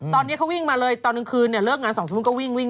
ตอนนี้เขาวิ่งมาเลยตอนนึงคืนเนี่ย